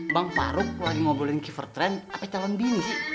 bang farouk lagi ngobrolin kievertrend apa itu calon bini sih